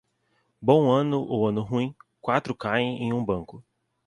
Bom ano ou ano ruim, quatro caem em um banco.